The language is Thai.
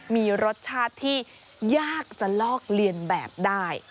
มีรสชาติที่ยากจะลอกเลียนแบบได้